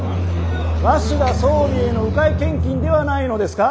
鷲田総理への迂回献金ではないのですか？